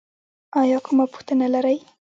ایا کومه پوښتنه لرئ؟